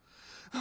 あ。